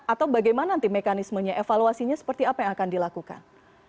atau bagaimana nanti mekanismenya evaluasinya seperti apa yang akan dilakukan